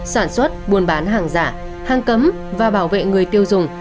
sản xuất buôn bán hàng giả hàng cấm và bảo vệ người tiêu dùng